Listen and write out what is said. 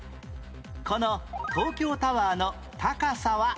この東京タワーの高さは何メートル？